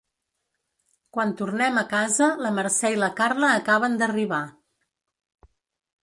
Quan tornem a casa la Mercè i la Carla acaben d'arribar.